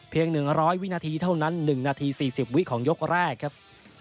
๑๐๐วินาทีเท่านั้น๑นาที๔๐วิของยกแรกครับ